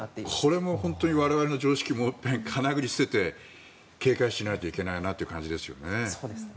これも我々の常識をもう一遍かなぐり捨てて警戒しないといけないなという感じですよね。